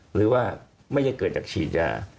หรือว่าไม่ได้เกิดจากฉีดยา